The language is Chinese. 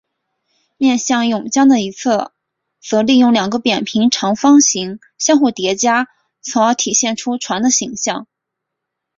面向甬江的一侧则利用两个扁平长方形相互叠加从而体现出船的形象。